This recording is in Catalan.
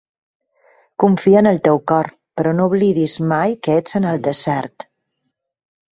Confia en el teu cor, però no oblidis mai que ets en el desert.